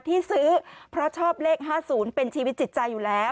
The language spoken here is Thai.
ที่ซื้อเพราะชอบเลข๕๐เป็นชีวิตจิตใจอยู่แล้ว